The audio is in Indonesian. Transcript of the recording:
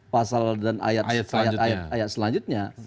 pasal dan ayat selanjutnya